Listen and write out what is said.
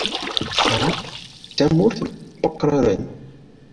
Ta d tamurt n wakraren.